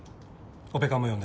オペ看も呼んで。